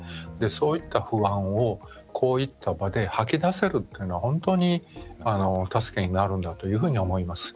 そういった不安をこういった場で吐き出せるというのは本当に助けになるんだというふうに思います。